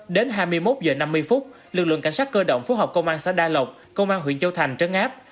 đến hai mươi một h năm mươi phút lực lượng cảnh sát cơ động phố học công an xã đa lộc công an huyện châu thành trấn áp